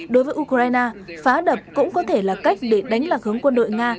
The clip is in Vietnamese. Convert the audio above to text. đối với ukraine phá đập cũng có thể là cách để đánh lạc hướng quân đội nga